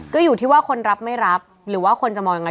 ก็อยู่ที่ว่าคนรับไม่รับหรือว่าคนจะมองยังไง